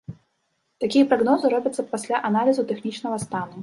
Такія прагнозы робяцца пасля аналізу тэхнічнага стану.